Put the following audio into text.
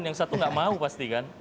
yang satu nggak mau pasti kan